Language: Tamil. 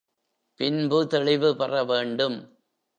பின்பு தெளிவு பெறவேண்டும்.